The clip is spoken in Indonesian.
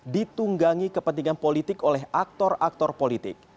ditunggangi kepentingan politik oleh aktor aktor politik